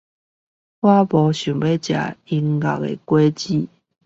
我不想吃音樂果